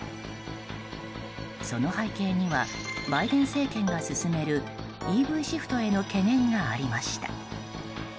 その背景にはバイデン政権が進めるＥＶシフトへの懸念がありました。